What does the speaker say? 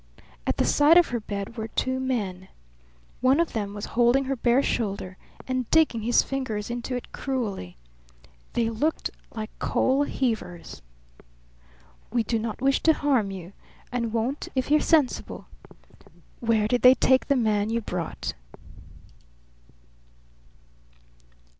At the side of her bed were two men. One of them was holding her bare shoulder and digging his fingers into it cruelly. They looked like coal heavers. "We do not wish to harm you, and won't if you're sensible. Where did they take the man you brought?"